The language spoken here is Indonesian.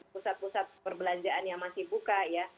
pusat pusat perbelanjaan yang masih buka ya